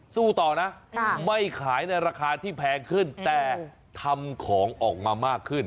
สู้ต่อนะไม่ขายในราคาที่แพงขึ้นแต่ทำของออกมามากขึ้น